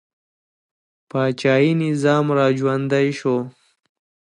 پاچاهي نظام را ژوندی شو.